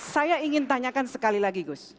saya ingin tanyakan sekali lagi gus